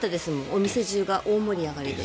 お店中が大盛り上がりで。